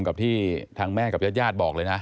กับที่ทางแม่กับญาติญาติบอกเลยนะ